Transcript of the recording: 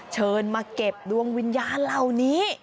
เชิญมาเก็บดวงวิญญาณเหล่านี้